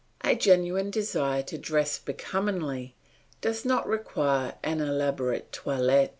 A genuine desire to dress becomingly does not require an elaborate toilet.